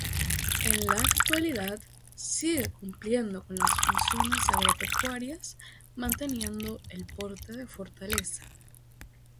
En la actualidad sigue cumpliendo con las funciones agropecuarias manteniendo el porte de fortaleza.